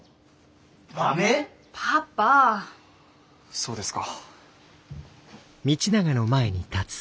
そうですか。